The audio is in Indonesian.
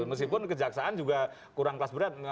meskipun kejaksaan juga kurang kelas berat